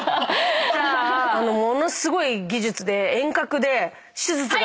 じゃあものすごい技術で遠隔で手術が。